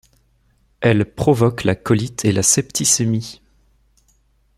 Elle provoque la colite et la septicémie.